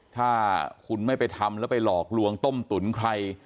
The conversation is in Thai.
ถ้าคุณไม่ไปทำแล้วไปหลอกลวงต้มตุ๋นใคร